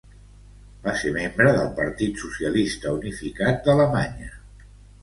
Va ser membre del Partit Socialista Unificat d'Alemanya.